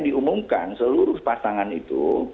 diumumkan seluruh pasangan itu